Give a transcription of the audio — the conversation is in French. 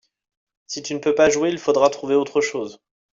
Si tu ne peux pas jouer il faudra trouver autre chose.